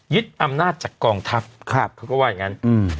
อำนาจจากกองทัพเขาก็ว่าอย่างนั้น